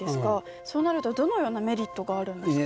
そうなるとどのようなメリットがあるんですか？